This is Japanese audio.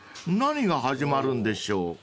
［何が始まるんでしょう］